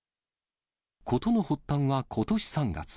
事の発端は、ことし３月。